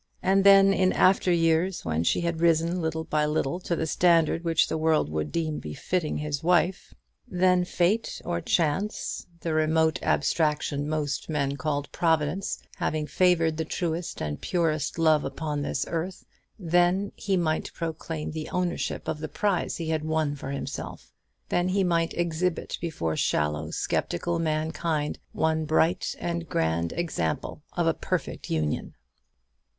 And then in after years, when she had risen little by little to the standard which the world would deem befitting his wife, then, fate, or chance, the remote abstraction most men call Providence, having favoured the truest and purest love upon this earth, then he might proclaim the ownership of the prize he had won for himself; then he might exhibit before shallow, sceptical mankind, one bright and grand example of a perfect union.